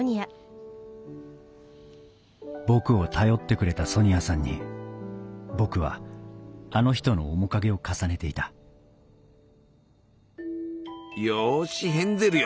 僕を頼ってくれたソニアさんに僕はあの人の面影を重ねていたよしヘンゼルよ。